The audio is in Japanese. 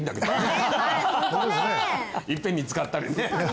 いっぺんに使ったりね